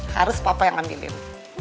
harus papa yang ambilin